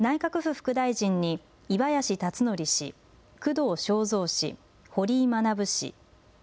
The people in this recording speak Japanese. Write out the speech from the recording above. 副大臣に井林辰憲氏工藤彰三氏、堀井学氏。